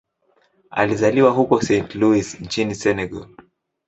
Alizaliwa huko Saint-Louis nchini Senegal.